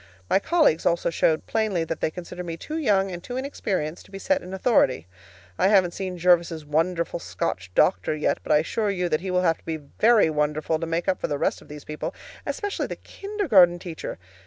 My colleagues also showed plainly that they consider me too young and too inexperienced to be set in authority. I haven't seen Jervis's wonderful Scotch doctor yet, but I assure you that he will have to be VERY wonderful to make up for the rest of these people, especially the kindergarten teacher.